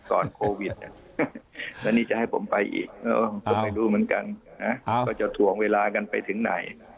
ก่อนโควิดแล้วนี่จะให้ผมไปอีกก็ไม่รู้เหมือนกันว่าจะถวงเวลากันไปถึงไหน